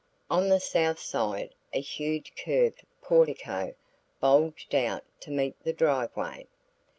On the south side a huge curved portico bulged out to meet the driveway.